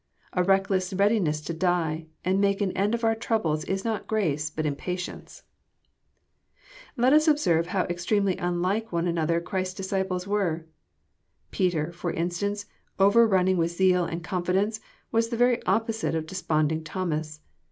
A reckless readiness to die and make an end of our troubles is not grace but impa tience. Let us observe how extremely unlike one another Christ's disciples were. Peter, for instance, overrunning with zeal and confidence, was the very opposite of desponding Thomas.